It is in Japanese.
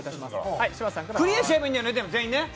全員クリアしちゃえばいいんだよね。